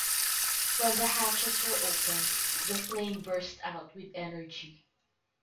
When the hatches were opened, the flame burst out with energy.